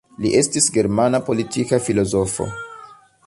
Li estis germana politika filozofo.